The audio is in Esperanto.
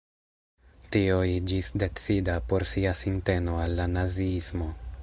Tio iĝis decida por sia sinteno al la naziismo.